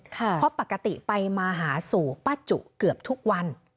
เพราะปกติไปมาหาสู่ป้าจุเกือบทุกวัน